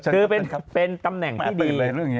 คือเป็นตำแหน่งที่ดีเลย